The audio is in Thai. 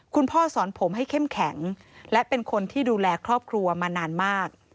คุณพ่อสอนผมให้เข้มแข็งและเป็นคนที่ดูแลครอบครัวมานานมาก